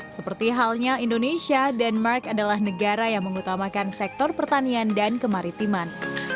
seperti halnya indonesia denmark adalah negara yang mengutamakan sektor pertanian dan kemaritiman